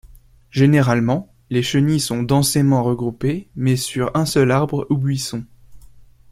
Généralement les chenilles sont densément regroupées, mais sur un seul arbre ou buisson.